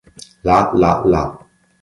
La La La